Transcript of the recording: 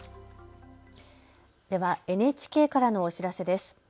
ではＮＨＫからのお知らせです。